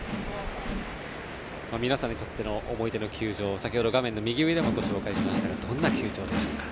皆さんにとっての思い出の球場先ほど、画面の右上でもご紹介しましたがどんな球場でしょうか。